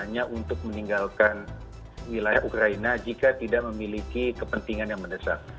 hanya untuk meninggalkan wilayah ukraina jika tidak memiliki kepentingan yang mendesak